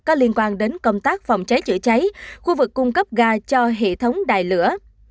có liên quan đến công tác phòng cháy chữa cháy khu vực cung cấp ga cho hệ thống đài lửa